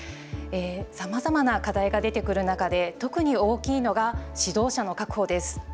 さまざまな課題が出てくる中で特に大きいのが指導者の確保です。